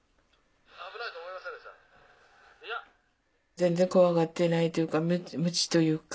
全然怖がってないというか無知というか